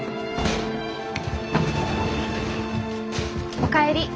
・お帰り。